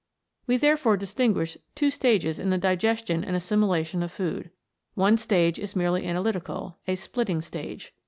We therefore distinguish two stages in the digestion and assimilation of food. One stage is merely analytical, a splitting stage.